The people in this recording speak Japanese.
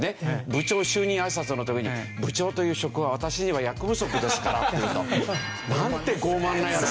部長就任あいさつの時に「部長という職は私には役不足ですから」って言うと「なんて傲慢なヤツ」。